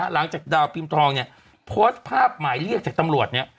หลังจากดาวพิมธองโพสต์ภาพหมายเรียกจากตำรวจ